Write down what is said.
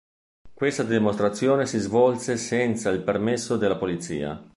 Questa dimostrazione si svolse senza il permesso della polizia.